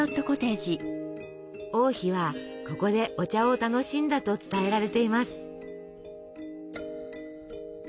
王妃はここでお茶を楽しんだと伝えられています。